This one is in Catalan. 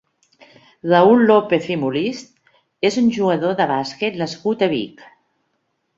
Raül López i Molist és un jugador de bàsquet nascut a Vic.